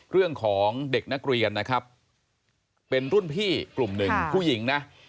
เรื่องของเด็กนักเรียนนะครับเป็นรุ่นพี่กลุ่มหนึ่งผู้หญิงนะ